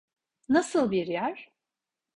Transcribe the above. Nasıl bir yer?